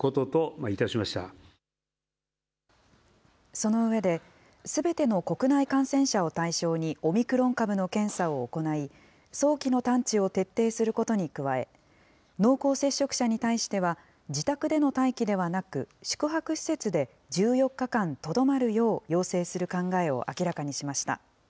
その上で、すべての国内感染者を対象にオミクロン株の検査を行い、早期の探知を徹底することに加え、濃厚接触者に対しては、自宅での待機ではなく、宿泊施設で１４日間とどまるよう要請する考えを明らかにしました。